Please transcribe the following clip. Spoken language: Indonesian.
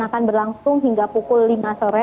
akan berlangsung hingga pukul lima sore